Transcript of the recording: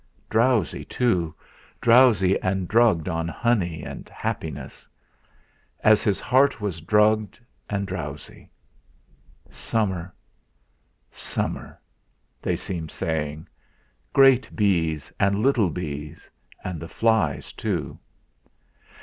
Drowsy, too, drowsy and drugged on honey and happiness; as his heart was drugged and drowsy. Summer summer they seemed saying; great bees and little bees, and the flies too!